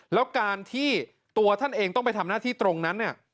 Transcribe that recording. แล้วการที่ตัวท่านเองต้องไปทำหน้าที่ตรงนั้นเนี่ย